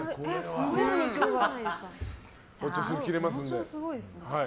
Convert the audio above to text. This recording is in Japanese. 包丁すごい切れますので。